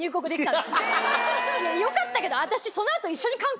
よかったけど私。